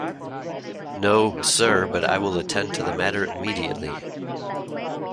No, sir, but I will attend to the matter immediately.